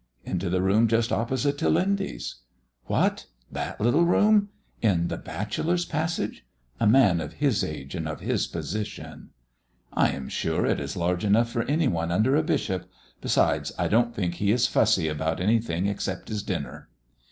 "Into the room just opposite to Lindy's." "What! that little room? In the bachelor's passage? A man of his age, and of his position!" "I am sure it is large enough for any one under a bishop. Besides, I don't think he is fussy about anything except his dinner."